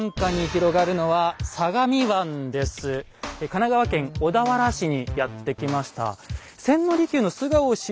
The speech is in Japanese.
神奈川県小田原市にやって来ました。